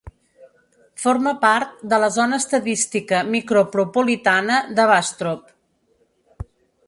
Forma part de la zona estadística micropropolitana de Bastrop.